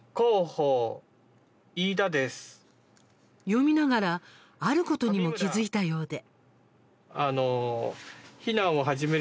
読みながらあることにも気付いたようで。